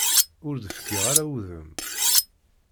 Ur d-fkiɣ ara udem.